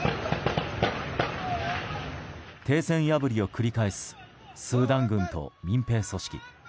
停戦破りを繰り返すスーダン軍と民兵組織。